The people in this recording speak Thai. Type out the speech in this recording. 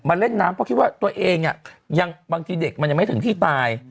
เล่นน้ำเพราะคิดว่าตัวเองบางทีเด็กมันยังไม่ถึงที่ตาย